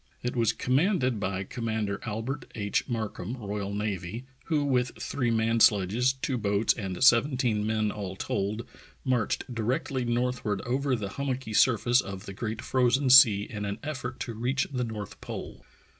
It was com manded by Commander Albert H. Markham, R.N., who with three man sledges, two boats, and seventeen men all told marched directly northward over the hummocky surface of the Great Frozen Sea in an eff'ort to reach the north pole.